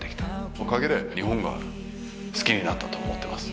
おかげで日本が好きになったと思ってます。